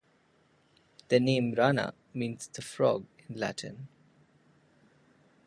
The name Rana means "the frog" in Latin.